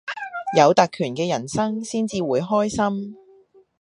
有特權嘅人生至會開心